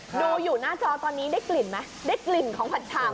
ดูอยู่หน้าจอตอนนี้ได้กลิ่นไหมได้กลิ่นของผัดฉาง